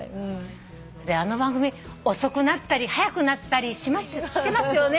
「あの番組遅くなったり早くなったりしてますよね」